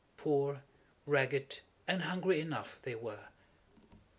Poor, ragged, and hungry enough they were!